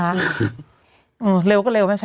เร็วก็เร็ว